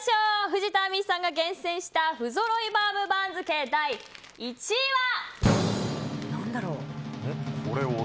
藤田あみいさんが厳選した不揃いバウム番付第１位は。